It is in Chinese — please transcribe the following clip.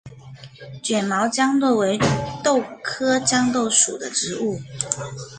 卷毛豇豆为豆科豇豆属的植物。